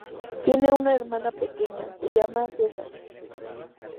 Tiene una hermana pequeña llamada Susanne.